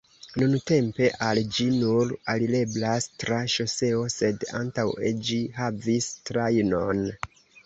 Nuntempe al ĝi nur alireblas tra ŝoseo sed antaŭe ĝi havis trajnon.